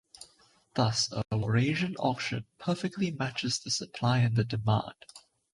Thus, a Walrasian auction perfectly matches the supply and the demand.